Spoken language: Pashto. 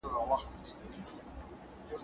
نوي تجربې د ژوند د بدلون سبب کېږي.